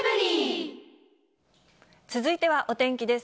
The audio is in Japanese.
続いてはお天気です。